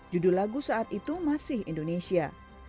judul lagu saat itu masih indonesia